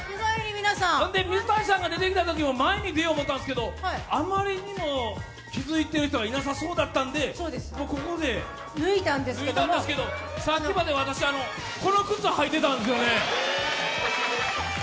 そんで水谷さんが出てきたときも前に出ようと思ったんで、あまりにも気付いている人がいなさそうやったんで、ここで脱いだんですけど、さっきまで私、この靴を履いてたんですよね。